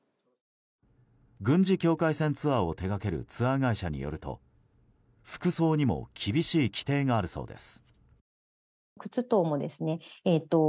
軍事境界線ツアーを手掛けるツアー会社によると、服装にも厳しい規定があるそうです。